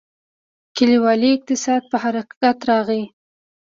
کلیوالي اقتصاد په حرکت راغی.